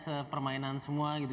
sepermainan semua gitu